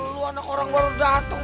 lo anak orang baru dateng